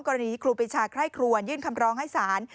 กรณีคลูปริชาไข้ครวนยื่นคำร้องให้สาร